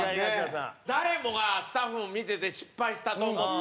誰もが、スタッフも見てて失敗したと思って。